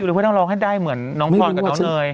อยู่แล้วพวกน้องร้องให้ได้เหมือนน้องพอร์ตกับเท้าเนย